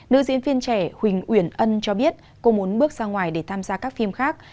nữ diễn viên trẻ huỳnh uyển ân cho biết cô muốn bước ra ngoài để tham gia các phim khác